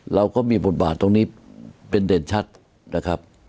เราก็มีบทบาทตรงนี้เป็นเด่นชัดนะครับ